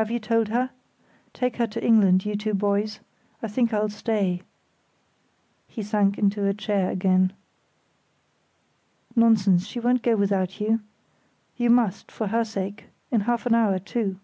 "Have you told her? Take her to England, you two boys. I think I'll stay." He sank into a chair again. "Nonsense, she won't go without you. You must, for her sake—in half an hour, too."